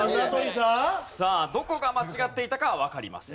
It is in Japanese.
さあどこが間違っていたかはわかりません。